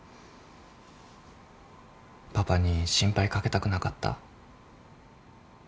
パパに心配かけたくなかった？